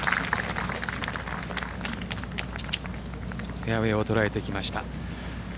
フェアウェイを捉えてきました。